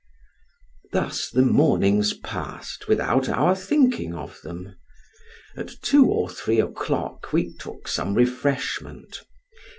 Thus the mornings passed without our thinking of them; at two or three o'clock we took some refreshment.